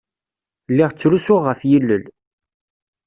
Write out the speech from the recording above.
Lliɣ ttrusuɣ ɣef yilel.